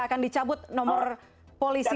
akan dicabut nomor polisi